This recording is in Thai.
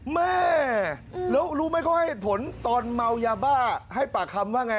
แม่แล้วรู้ไหมเขาให้เหตุผลตอนเมายาบ้าให้ปากคำว่าไง